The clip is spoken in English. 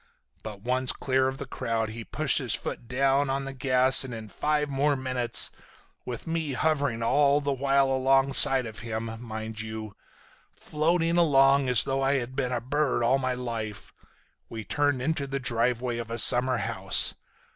But once clear of the crowd he pushed his foot down on the gas and in five more minutes—with me hovering all the while alongside of him, mind you—floating along as though I had been a bird all my life—we turned into the driveway of a summer home.